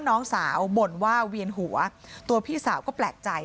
พี่น้องของผู้เสียหายแล้วเสร็จแล้วมีการของผู้เสียหาย